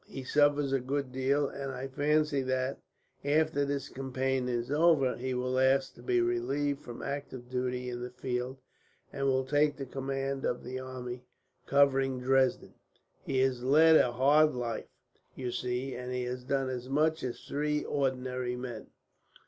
He suffers a good deal, and I fancy that, after this campaign is over, he will ask to be relieved from active duty in the field, and will take the command of the army covering Dresden. He has led a hard life, you see, and has done as much as three ordinary men.